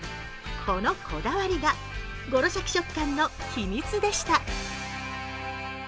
このこだわりが、ゴロシャキ食感の秘密でした。